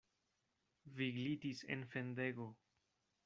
Vi glitis en fendego.